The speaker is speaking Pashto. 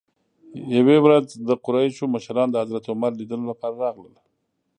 یوې ورځ د قریشو مشران د حضرت عمر لیدلو لپاره راغلل.